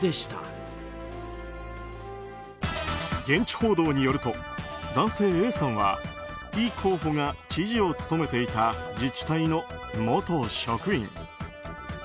現地報道によると男性Ａさんはイ候補が知事を務めていた自治体の元職員。